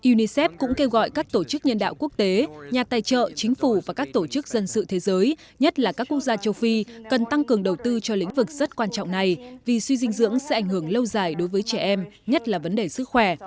unicef cũng kêu gọi các tổ chức nhân đạo quốc tế nhà tài trợ chính phủ và các tổ chức dân sự thế giới nhất là các quốc gia châu phi cần tăng cường đầu tư cho lĩnh vực rất quan trọng này vì suy dinh dưỡng sẽ ảnh hưởng lâu dài đối với trẻ em nhất là vấn đề sức khỏe